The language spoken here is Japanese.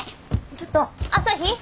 ちょっと朝陽！